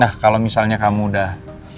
ah kalau misalnya kamu udah